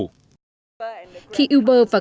khi uber và grab đều đều đều đều đều đều đều đều đều đều